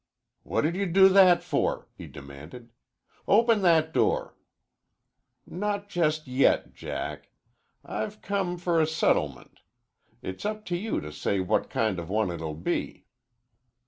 "What did you do that for?" he demanded. "Open that door!" "Not just yet, Jack. I've come for a settlement. It's up to you to say what kind of a one it'll be."